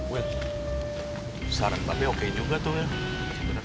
wil saran babi oke juga tuh ya